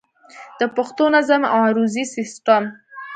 د پښتو نظم عروضي سيسټم